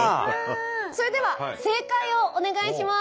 それでは正解をお願いします。